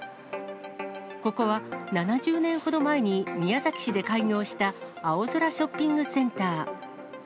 ここは７０年ほど前に宮崎市で開業した青空ショッピングセンター。